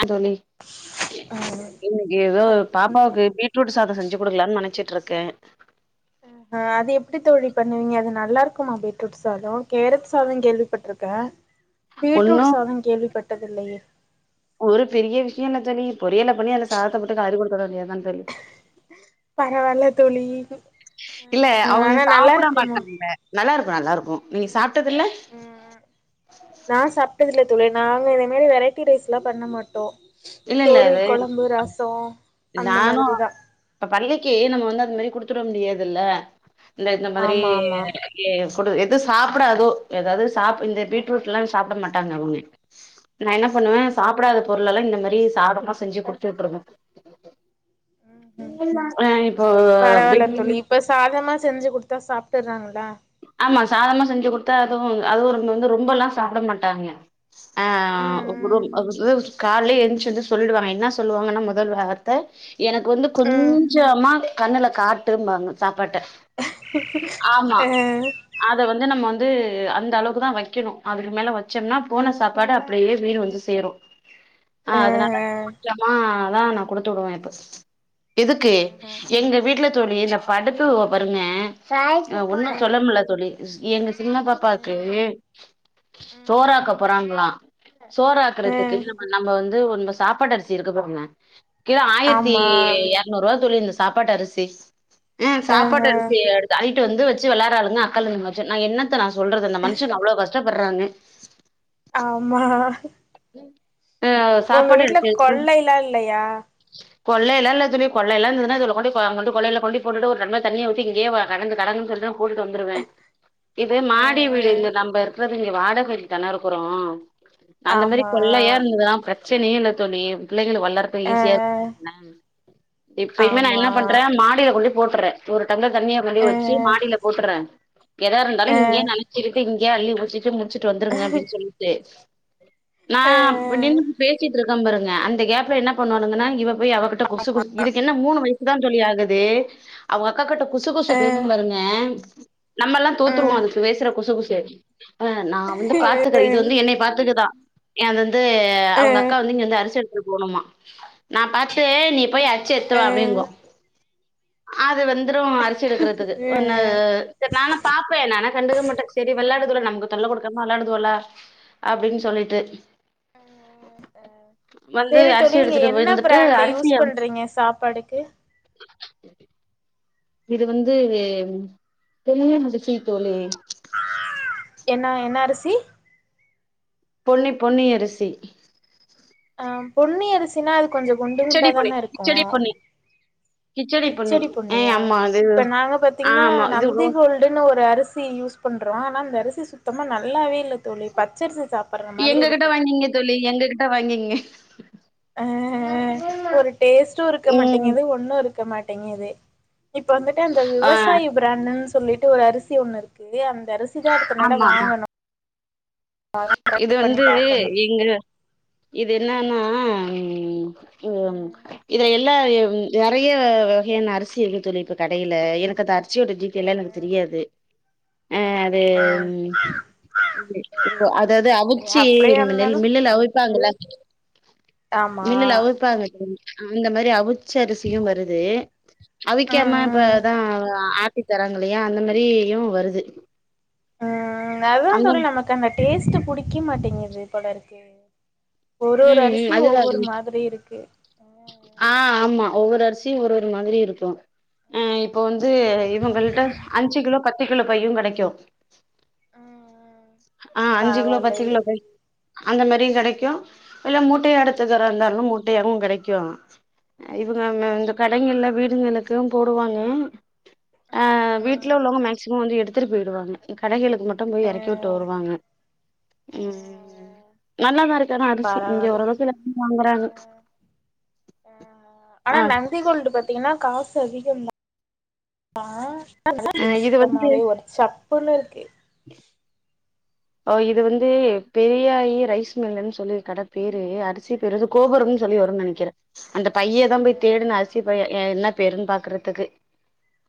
அ தோழி ஆ இன்னைக்கி ஏதோ அப் பாப் பாவுக்கு பீட்ரூட் சாதோ செஞ்சு குடுக்லானு நெனச்சிட்ருக்கே ஆ அது எப்டி தோழி பண்ணுவீங்க அது நல்லா இருக்குமா பீட்ரூட் சாதோ கேரட் சாதோ கேள்விப்பட்ருக்கே ஒன்னு பீட்ரூட் சாதோ கேள்விப்பட்டது இல்லையே ஒரு பெரிய விஷ்யோ இல்ல தோழி பொரியல பண்ணி அதுல சாதத்தப்போட்டு களரி குடுத்துட வேண்டிய தா தோழி பரவால்ல தோழி இல்ல ஆ அவுங்க ஆனா நல்லா சாப்ட இருக்குமா மாட்டாங்க நல்லா இருக்கு நல்லா இருக்கு நீங்க சாப்ட்டதுல்ல ம் நா சாப்ட்டதுல்ல தோழி நாங்க இதேமாரி வெரைட்டி ரைஸ்ல்லா பண்ண மாட்டோ இல்ல இல்ல சோறு அது கொழம்பு ரசோ அந்த நானு மாதிரிதா இப்ப பள்ளிக்கு நம்ம வந்து அந் மாரி குடுத்துட முடியாதுல்ல இல்ல இந்த மாதிரி ஆமா ஆமா எ ஃபுட்டு எது சாப்டாதோ ஏதாவுது சாப் இந்த பீட்ரூட்ல்லா சாப்ட மாட்டாங்க அவுங்க நா என்ன பண்ணுவே ம் ம் சாப்டாத பொருளெல்லா இந்த மாரி சாதமா செஞ்சு குடுத்து வுட்ருவே ம் ம் அ இப்போ பரவால்ல தோழி இப்ப சாதமா செஞ்சு குடுத்தா சாப்ட்டுறாங்ளா ஆமா சாதமா செஞ்சு குடுத்தா அதுவு அதுவு வந்து ரொம்பல்லா சாப்ட மாட்டாங்க ஆ ம் குரும் ம் காலேய எந்ருச்சு வந்து சொல்டுவாங்க என்ன சொல்லுவாங்கன்னா மொதல் வார்த் த எனக்கு வந்து கொஞ்சமா கண்ணுல காட்டுபாங்க சாப்பாட்ட ஆமா அத வந்து நம்ம வந்து அந்த அளவுக்கு தா வைக்கணு அதுக்கு மேல வச்சோனா போன சாப்பாடு அப்டியே வீடு வந்து சேரு ஆ அதனால கொஞ்சமாதா நா குடுத்து வுடுவே இப்ப எதுக்கு எங்க வீட்ல தோழி இந்த படுத்துவா பாருங்க ஒன்னு சொல்லமுல்ல தோழி எங்க சின்ன பாப்பாக்கு சோறாக்க போறாங்ளா சோறாக்குறதுக்கு நம்ம நம்ப வந்து நம்ப சாப்பாடு அரிசி இருக்கு பாருங்க கிலோ ஆயர்த்தி ஆமா எரநூரூவா தோழி இந்த சாப்பாட்டு அரிசி ஆ ஆஹ சாப்பாட்டு அரிசி எடுத் தள்ளிட்டு வந்து வச்சு வெளயாட்றாளுக அக்காளு தங்கச்சியு நா என்னத்த நா சொல்றது இந்த மனுஷன் அவ்ளோ கஷ்டப்பட்றாங்க ஆமா ம் ஒங்க வீட்ல கொல்லைல இல்லையா கொல்லைலா இல்ல தோழி கொல்லைலா இருந்ததுனா இதுகள கொண்டை அங் கொண்டு கொல்லைல்ல கொண்டி போட்டுட்டு ஒரு தம்ளர் தண்ணிய ஊத்தி இங்கயே வ கெடந்து கெடங்கனு சொல்ட்டு போட்டுட்டு வந்துருவே இது அ மாடி வீடு இங்க நம்ப இருக்றது இங்க வாடகைக் தானே இருக்குறோ அந்த மாரி ஆமா கொல்லையா இருந்ததுனா பிரச்சனயே இல்ல தோழி பிள்ளைங்களுக் வெளாட்றதுக் இப்ப அ ஈஸியா இருக்கு பாத்திங்களா இப்பயுமே நா ஆமா என்ன பண்றே மாடியில கொண்டி போட்டுறே ஒரு டம்ளர் தண்ணி கொண்டி அ வச்சி மாடியில போட்டுறே எதா இருந்தாலு அ இங்கயே நென ச்சிகிட்டு இங்கயே அள்ளி ஊத்திட்டு முடிச்சுட்டு வந்துருங்க அப்டின் சொல்லிட்டு நா இப்டின்னு பேசிட்டு இருக்கே பாருங்க அந்த கேப்ல என்ன பண்ணுவானுங்கன்னா இவ போய் அவகிட் ட கொசு கொசு இதுக்கு என்ன மூணு வய் சு தா தோழி ஆகுது அவுங்க அக்கா கிட்ட குசு அ குசு பேசு பாருங்க நம்ம எல்லா அ தோத்துருவோ அது பேசுற குசு குசு ஆ நா வந்து பாத்துக்கிறே இது வந்து என்னை பாத்துக்குதா ஏ அது வந்து அவுங்க அக்கா வந்து இங்க வந்து அரிசி எடுத்துட்டு போணுமா நா பாத்து நீ போய் அர்சி எத்துவா அப்டிங்கு அது வந்துடு அரிசி எடுக்குறதுக்கு ஒன்னு செரி நானு பாப்பே நா ஆன கண்டுக்க மாட்டேன் செரி விள்ளாடுதுவோல நமக்கு தொல்ல குடுக்காம விள்ளாடுதுவோல அப்டின் சொல்லிட்டு ம் ம் ஆ வந்து சேரி தோழி அரிசி நீங்க எடுத்துட்டு என்ன வந்துட்டு ப்ராண்ட் யூஸ் அரிசிய பண்றீங்க சாப்பாடுக்கு இது வந்து பொன்னி முடிச்சி தோழி என்ன என்ன அரிசி பொன்னி பொன்னி அரிசி ஆ பொன்னி அரிசினா அது கொஞ்ச குண்டு கிச்சடி பொன்னி குண்டாதானே இருக்கு கிச்சடி பொன்னி பொன்னி கிச்சடி ஏ பொன்னியா ஆமா அது இப்ப நாங்க பாத்தீங்கன்னா ஆமா. இது ரொ நந்திகோல் டுன்னு ஒரு அரிசி யூஸ் பண்ணறோ ஆனா அந்த அரிசி சுத்தமா நல்லாவே இல்ல தோழி பச்சரிசி சாப்ட்ற மாதிரி எங்ககிட்ட இருக்கு வாங்கிங்க தோழி எங்ககிட்ட வாங்கிங்க ஆ ஆ ஒரு டேஸ்ட்டு இருக்க ம். மாட்டேங்குது ஒண்ணு இருக்க மாட்டேங்குது இப்ப வந்துட்டு அந்த ஆ விவசாயி ப்ராண்டுன்னு சொல்லிட்டு ஒரு அரிசி ஒண்ணு இருக்கு அந்த அரி சி தா அடுத்த நட ஆமாமா. வாங்கணு இது ட்ரை பண்ணி வந்து பாக்கணு எங்க இது என்னன்னா ம் [unintelligible] இது எல்லா நெறைய வகையான அரிசி இருக்கு தோழி இப்ப கடையில எனக்கு அத்த அரி சியோட டீடைல்லா எனக்கு தெரியாது அ அது ஆ ம் [inaudible] ஓ அதாவ்து சேரி சேரி அவிச்சு அப்படியா நெல் இருந்தாலு மில்லுல அவிப்பாங்கள ஆ ஆமா மில்லுல அவிப்பாங்க தெரியுமா அந்த மாரி அவிச்சரிசியு வருது அவிக்காம ம் இப்பதா அ ட்டி தராங்களையா அந்த மாரியு வருது ம் ம் அதா அந்த தோழி நமக்கு அந்த டேஸ்ட்டு புடிக்க மாட்டேங்குது போலருக்கு ஒரு ஒரு ம், ம். அரிசி அதுதான். ஒவ்வொரு மாதிரி இருக்கு ஆ ஆமா ஒவ்வொரு அரிசியு ஒரு ஒரு மாதிரி இருக்கு அ இப்போ வந்து ம் இவங்கள்ட்ட அஞ்சு கிலோ பத்து கிலோ பையு கெடைக்கு ம் ஆ அஞ்சு கிலோ பத்து பரவால்லையே கிலோ பை அந்த மாரியு கெடைக்கு இல்ல மூட்டையா ம் ம் எடுத்துக்கிற இருந்தாலு மூட்டையாவு கெடைக்கு அ ம் இவுங்க இந்த கடைகள்ல வீடுங்களுக்கு போடுவாங்க ம் ஆ ம் வீட்டுல உள்ளவங்க மேக்சிம வந்து எடுத்துட்டு போய்டுவாங்க கடைகளுக்கு மட்டு போய் இறக்கிவிட் டு ம் வருவாங்க ம் ம் ம் நல்லாதா இருக்கு ஆன அரிசி இங்க பரவால்ல ஓரளவுக்கு ம் எல்லா மே வாங்கறாங்க ம் ஆனா ஆ நந்தி கோல்டு பாத்தீங்கன்னா காசு அதிகோதா [unintelligible] [inaudible] இது வந்து சுத்தமாவே ஒரு சப்புன்னு இருக்கு ஒ இது வந்து பெரியாயி ரைஸ் மில்ன்னு சொல்லி ஒரு கட பேரு அரிசி பேரு வந்து ஆ கோபுரம்ன் சொல்லி வருன் நெனக்கிற அந்த பைய தா போய் தேடுன அரிசி பைய என்ன பேருன் பாக்குறதுக்கு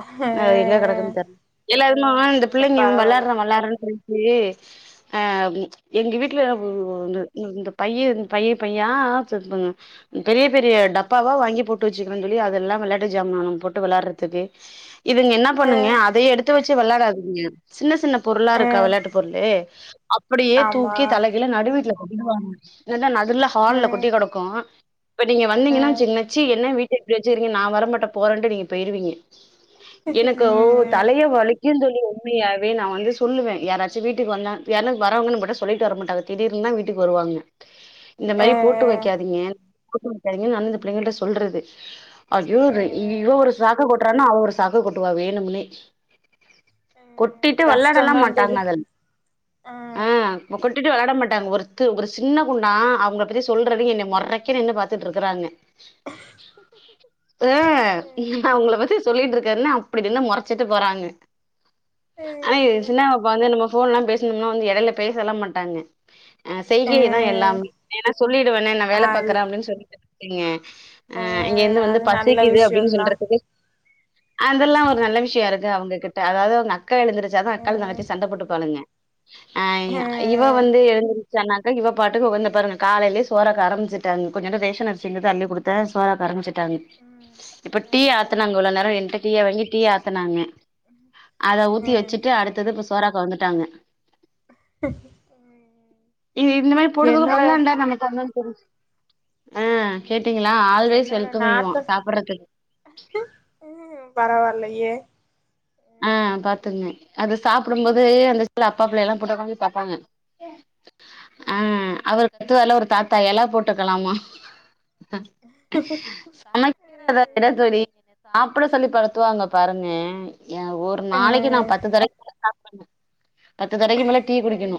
ஆ என்ன கடக்குன் தெர் எல்லாருமா இந்த பிள்ளைங்க பரவால்ல வெள்ளாட்ற வெள்ளாட்றன் சொன்ச்சு அ எங் வீட்ல ஆ இந்த பையி பையி பையா ச்சிருப்பங்க பெரிய பெரிய டப் ப்பாவா வாங்கி போட்டு வச்சுக்குறன் சொல்லி அது எல்லா வெள்ளாட்டு ஜாமனு போட்டு வெள்ளாற்றதுக்கு இதுங்க என்ன பண்ணுங்க அத எடுத்து வச்சு வெள்ளாடாதுங்க சின்ன சின்ன பொருளா ஆ இருக்கா வெள்ளாட்டு பொருளு அப்புடியே ஆமா தூக்கி தலைகீழ நடுவீட்ல கொட்டிடுவாங்க இல்லனா நடுல ஆ ஹால்ல கொட்டி கடக்கு இப்ப நீங்க ஆ வந்தீங்கன்னா வஞ்சிங்க சி என்ன வீட்ட இப்டி வச்சிகிரிங்க நா வர மாட்ட போறன்ட்டு நீங்க பெய்ருவீங்க எனக்கு ஓ ம் தலைய வலிக்கிந்தோழி உண்மயாவே நா வந்து சொல்லுவே யாராச்சு சு வீட்டுக் ஆ வந்தான் யார்னா வரவங்க நம்பகுட்ட சொல்லிட்டு வர மாட்டாங்க திடீர்ந்தா வீட்டுக் வருவாங்க இந்த ஆ மாரி போட்டு வக்காதீங்க போட்டு வக்காதீங்கன் நானு இந்த பிள்ளைங்கள்ட்ட சொல்றது ஐயோ ஆ ரெ இவ ஒரு சாக்க கொட்டுறானா அவ ஒரு சாக்க கொட்டுவா வேணுமுனே கொட்டிட்டு வெள்ளாடல்லா கஷ்டந்தா மாட்டாங்க தோழி அதல் ஆ அ கொட்டிட்டு வெள்ளாட மாட்டாங்க ஒர்டத்து ஒரு சின்ன குண்டா அவ்ங்க பதி சொல்றது என்ன மொறக்க நின்னு பாத்துட்ருக்குறாங்க அ ஆ நா அவ்ங்ள பத்தி சொல்லிட்ருக்கன அப்டிநின்னு மொறச்சிட்டு போறாங்க ஆனா ஏ சின்னவாப்பா வந்து நம்மோ ஃபோன்லா பேஸ்னம்னா வந்து எடைல பேசலா மாட்டாங்க அ செய்கையதா எல்லாமே ஏனா சொல்லிடுவனே நா வேல அது பாக்குற அப்டின் சொல்லிட்டு நீங்க ஆ அங்கேந்து வந்து அது நல்ல பசிக்குது அப்டின் விஷயந்தா சொல்றதுக்கு ஆ அதல்லா ஒரு நல்ல விஷ்யோ இருக்கு அவுங்ககிட்ட அதாவ்து அவ்ங்க அக்கா எழுந்துருச்சாதா அக்காலு தங்கச்யு சண்ட போட்டுப்பாளுங்க அ இ ஆ ஐ இவ வந்து எழுந்துச்சான்னாக்க இவ பாட்டுக்கு வந்து பாருங்க காலைலே சோறக்க ஆரமிச்சுட்டாங்க கொஞ்சோன்டு ரேசன் அரிசி இர்ந்துது அள்ளி குடுத் த சோறக்க அரம்பிச்சுட்டாங் இப்ப ஆ டீ ஆத்துனாங்க இவ்ளோ நேர என்ட்ட டீய வாங்கி டீ ஆத்துனாங்க அத ஊத்தி ஆ வெச்சுட்டு அடுத்தது இப்ப சோறாக்க வந்துட்டாங்க இது இந்த மேரி போடுதுவோ என்னோட வெள்ளாண்டா நம்ம தந்தோன் தெரிஞ்சு அ கேட்டீங்ளா ம் ஆல்வேஸ் வெல்க்கம்ஸ் யு வா சாப்புட்றதுக் ம் ம் பரவால்லயே அ பாத்துங்க அது சாப்புடும்போது அந்த சில அப்பா புள்ள எல்லாம் போட்டு ஒக்காந்து பாப்பாங்க அ ம் அவரு கத்துவாருல ஒரு தாத்தா எல போட்டுக்கலாமா சமைக்கிறத இட தோழி சாப்புட சொல்லி படுத்துவாங்க பாருங்க ஏ ஒரு நாளக்கு நா ம் பத்து தரைக்கு மேல சாப்புட்னு பத்து தடைக்கு மேல டீ குடிக்கிணு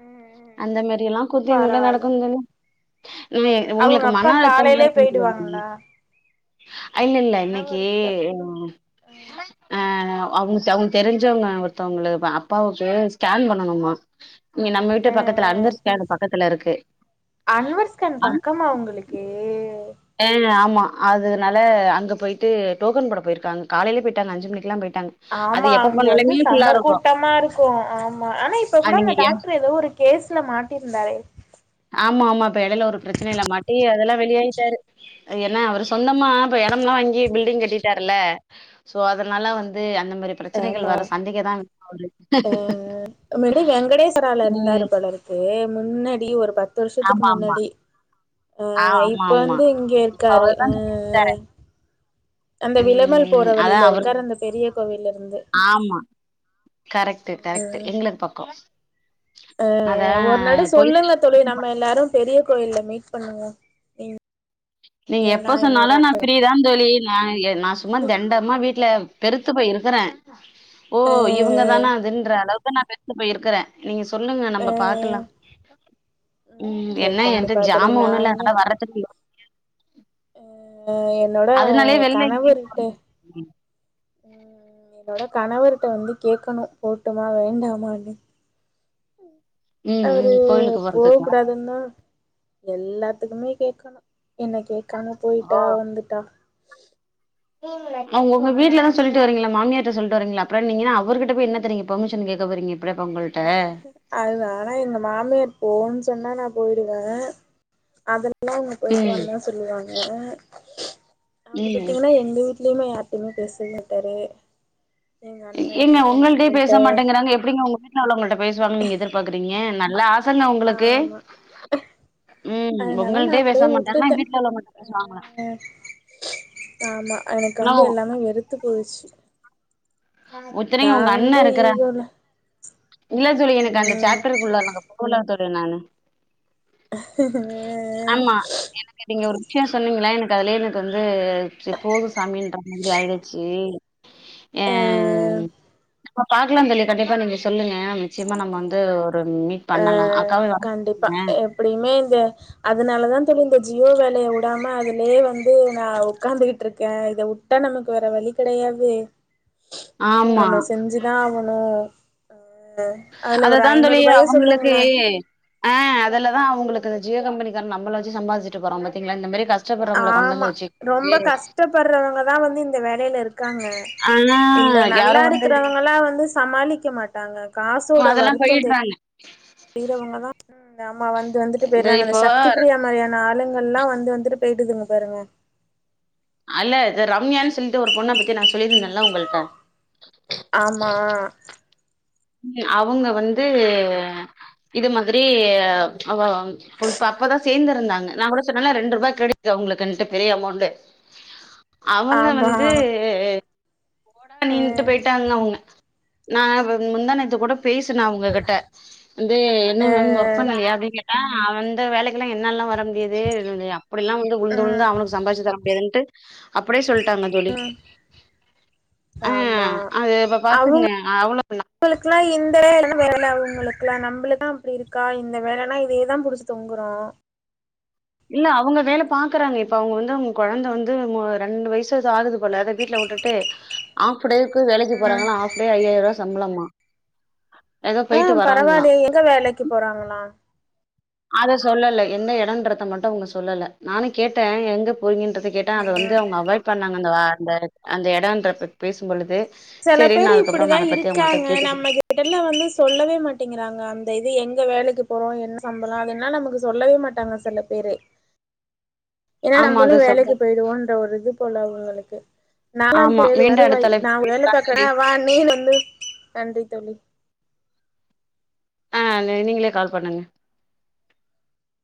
ம் அந்த மேரி எல்லா கூத்து எங் வீட்ல பரவால்ல நடக்கும் [unintelligible] இன்மே ம் அவங்க உங்ளுக்கு அப்பா மன அழுத்தமா காலையிலயே [unintelligible] போயிடுவாங்களா அ இல்ல இல்ல மன இன்னக்கி வருத்தம் ம் அ அ அவுங்க அவுங்க தெரிஞ்சவுங்க ஒர்த்தவுங்ளு அப்பாவுக்கு ஸ்கேன் பண்ணனும்மா இங்க நம்ம வீட்டு ம் பக்கத்துல அன்வர் ஸ்கேனு பக்கத்துல இருக்கு அன்வர் ஸ்கேன் பக்கமா உங்களுக்கு ஏ ஆமா அதுனால அங்க போய்ட்டு டோக்கன் போட போய்ருக்காங் காலைலே போய்ட்டங்க அஞ்சு மணிக்லா போய்ட்டங் ஆமா அங்க வந்து சம்ம கூட்டமா இருக்கு ஆமா ஆனா இப்ப கூட அது அந்த நீங்க டாக்ட்ரு எதோ ஒரு கேஸ்ல மாட்டியிருந்தாரே ஆமா ஆமா இப்ப இடையில ஒரு பிரச்சனை இல்ல மாட்டி அதெல்லா வெளியிட்டாரு என்ன அவரு சொந்தமா இப்ப இட எல்லா வாங்கி பில்டிங் கட்டிட்டாரல சோ அதனால வந்து அந்த மாதிரி பிரச்சனைகள் வர சந்திக்க தா அஹ முன்னடி வெங்கடேசரால இருந்தாரு ம் பலருக்கு முன்னாடி ஒரு பத்து வருஷத்துக்கு ஆமா ஆமா முன்னாடி ஆ ஹ ஆமா இப்ப ஆமா வந்து இங்க இருக்காரு அவர்தா ஹ அந்த விளமல் ம் போற அதா வழியில அவரு இருக்காரு அந்த பெரிய கோவில்ல இருந்து ஆமா கரெக்ட்டு கரெக்ட் எங்களுக்கு பக்க ஹ ஒரு நட சொல்லுங்க தோழ நம்ம எல்லாரும் பெரிய கோயில்ல மீட் பண்ணுவோ நீங்க ஏ எப்ப நா என்னோட சொன்னாலு நா அக்கா ப்ஃரீதா தோழி நா சும்மா தண்டமா வீட்டுல பெருத்து போயிருக்கற ஓ அ இவங்க தானா அதுன்ற அளவுக்கு நா பெருத்து போயிருக்கற நீங்க சொல்லுங்க அ நம்ம பாக்கலா ம் சரி என்ன எயன்ட்ட கண்டிப்பா தோழி ஜாம நா ஒண்ணு இல்ல அதனல்லா வர்றதுக்கு ஹ என்னோட அதனாலயே வெளில எங்கயு கனவர்யிட்ட போறது இல்ல. என்னோட கணவர்கிட்ட வந்து கேட்கணும் போட்டுமா வேண்டாமான்னு ம் ம் அவரு கோயிலுக்கு போக போறதுக்கா கூடாதுன்னான் எல்லாத்துக்குமே கேட்கணும் என்ன கேட்காம ஓ போயிட்டா வந்துட்டா அவங்க உங்க வீட்டுலதா சொல்லிட்டு வரிங்களல மாமியாரிட்ட சொல்லிட்டு வரீங்கள அப்பற என்ன நீங்கன்ன அவர்கிட்ட போய் என்னத்த பெர்மிஷன் கேட்க போறீங்க அப்டிய பொங்கல்ட்ட அதுதா ஆனா எங்க மாமியார் போன்னு சொன்னா நா போயிடுவ அத சொன்னா அவங்க போயிட்டு ம் வாண்ணுதா சொல்லுவாங்க அவரு ம் பாத்தீங்கன்னா எங்க வீட்லயுமே ஒன்னு பேசவே மாட்டாரு எங்க அண்ணன ஏங்க எங்க உங்கள்டிட்டயே அண்ணன்ட்ட பேச மாட்டங்கிறாங்க எப்டிங்க உங்க வீட்டுல உள்ளவங்கள்ட்ட பேசுவாங்கன்னு நீங்க எதிர்பாக்குறீங்க நல்லா [unintelligible] உங்களுக்கு ஆமா ம் அதனால நா உங்கள்ட்டே பேச அப்படியே மாட்டாங்கன்னா வுட்டுட்டே வீட்டுல உள்ளவங்க கிட்ட பேசுவாங்கள்ளா அ ஆமா எனக்கு ஆனா வந்து எல்லாமே வெறுத்து போயிடுச்சு ஒத்தனைங்க நா உங்க அண்ணா வந்து இருக்கறாங்க ஈகோல இல்ல தோழி எனக்கு அந்த ம் சாப்டருக்குள்ள நாங்க போல தோழி நான்னு உஹ எனக்கு நீங்க ஒரு விஷய சொன்னீங்களா எனக்கு அதுலயே எனக்கு வந்து போது சாமி இன்ற மாதிரி ஆயிடு ச்சு அ ம் பாக்கலா தோழி கண்டிப்பா நீங்க சொல்லுங்க நிச்சயமா நம்ம வந்து ஒரு மீ பண்ணலா அக்காவையு வர சொல்லுங்க அப்டியுமே இந்த அதனாலதா தோழி இந்த ஜியோ வேலையை விடாம அதுலயே வந்து நா உட்கார்ந்துட்டு இருக்க உட்டா நமக்கு வேற வழி கிடையாது ஆமா. நம்ம செஞ்சுதா ஆகணும் ஹ அதுல ஒரு ஐநூறு ரூபாயா உங்களுக்கு ஹ அதுல தா அவங்களுக்கு ஜியோ கம்பனி கார நம்மல வச்சி சம்பாதிச்சிட்டு போறா பாத்தீங்களா இந்த மாரி கஷ்ட ஆமா ரொம்ப கஷ்டப்படுறவங்க தா வந்து இந்த வேலையில இருக்காங்க ஆனா இதுல்ல நல்லா யாரும் வந்து இருக்கிறவங்களா வந்து சமாளிக்க மாட்டாங்க காசோட அதெல்லாம் வருத்தோ தெரி போயிடுறாங்க. றோவங்க தா அம்மா வந்து வந்துட்டு போயிருறாங்க இந்த சக்தி பிரியா மாதிரியான ஆளுங்க எல்லா வந்து வந்துட்டு போயிட்டுதுங்க பாருங்க அல்ல இது ரம்யான்னு சொல்லிட்டு ஒரு பொண்ண பத்தி நா சொல்லிருந்தல்ல உங்கள்ட்ட ஆமா அவுங்க வந்து இது மாதுரி அவ இப்ப அப்பதா சேந்துருந்தாங்க நா கூட சொன்னல ரெண்ட்ருபா கிரெட்டிட்டு அவுங்ளுக்குன்ட்டு பெரிய அமோண்ட்டு அவங்க ஆமா வந்து போடா நீன்ட்டு ம் போய்ட்டாங்க அவுங்க நா முந்தாணோத்து கூட ம் பேசுன அவுங்ககிட்ட வந்து என்ன அ மேம் ஒர்க் பண்லயா அப்டின் கேட்ட அந்த வேலைக்கெல்லா என்னால்லா வர முடியாது [unintelligible] அப்புடில்லா வந்து உளுந்து உழுந்து ம் அவனுக் சம்பார்ச்சு தர முடியாதுன்ட்டு அப்டியே சொல்லிட்டாங்க தோழி ஆ அது இப்ப பாத்துக்ங்க நா எவ்ளோ [inaudible] ஆனா இந்த வேல இல்னா வேற வேல அவுங்குளுக்லா நம்புளுக்தா அப்டி இருக்கா இந்த வேலன்னா இதேதா புடுச்சு தொங்குறோ இல்ல அவுங்க வேல பாக்குறாங்க இப்ப அவுங்க வந்து அவுங்க குழந்தை வந்து ரெண்டு வயசு ஏது ஆகுது போல அதை வீட்டுல விட்டுட்டு ஹாஃப் டேக்கு வேலைக்கு ம் போறாங்களா ஆஃப் டே ஐயாயிர்வார சம்ப்ளமா ஆ பரவால்லயே எங்க வேலைக்கு போறாங்களா அத சொல்லல எந்த எடோன்றத மட்டு அவுங்க சொல்லல நானு கேட்டே எங்க போறிங்கன்றதக் கேட்டா அத வந்து அவங்க அவாய்ட் பண்ணாங்க அந்த வார்த் அந்த எடோன்ற பேசும் பொழுது செல பேரு இப்படிதா இருக்காங்க கேட்டே நம்ம என் கிட்டலா வந்து சொல்லவே மாட்டேங்குறாங்க அந்த இது எங்க வேலைக்கு போறோ என்ன சம்பளோ அது எல்லாம் நமக்கு சொல்லவே மாட்டாங்க சில பேரு ஏனா ஆமா நம்பளும் அத வேலைக்கு சொல்ல போய்டுவோன்ற ஒரு இது போல அவுங்களுக்கு நாலாம் ஆமா போ மீண்டு வருவாய் அடுத்த நா அழைப்புல வேல பேசலா பாக்க தோழி வா நீனு வந்து நன்றி தோழி ஆ நி நீங்களே கால் பண்ணுங்க